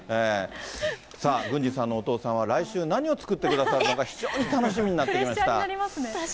さあ、郡司さんのお父さんは、来週、何を作ってくださるのか、非常に楽プレッシャーになりますね。